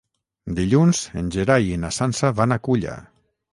Dilluns en Gerai i na Sança van a Culla.